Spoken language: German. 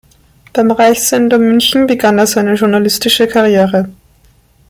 Beim Reichssender München begann er seine journalistische Karriere.